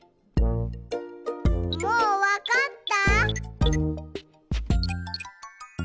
もうわかった？